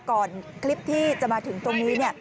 คลิปที่จะมาถึงตรงนี้